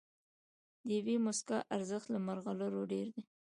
د یوې موسکا ارزښت له مرغلرو ډېر دی.